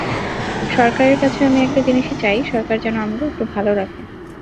সরকারের কাছে আমি একটা জিনিসই চাই, সরকার যেন আমাগো একটু ভালো রাখে।